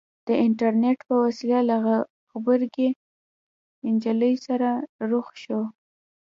د اينټرنېټ په وسيله له غبرګې نجلۍ سره رخ شو.